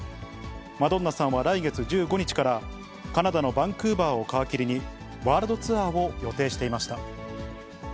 マドンナさんは、来月１５日から、カナダのバンクーバーを皮切りに、ワールドツアーを予定していました。